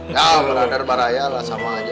ya brother baraya lah sama aja